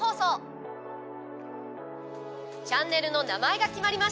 チャンネルの名前が決まりました。